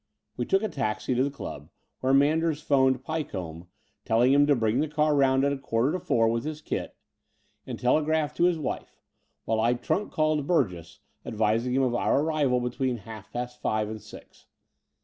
We took a taxi to the club, where Manders 'phoned Pycombe, telling him to bring the car round at a quarter to four with his kit, and tele The Dower House 213 graphed to his wife; while I trunk called Btirgess, advi^g him of our arrival between half past five and six.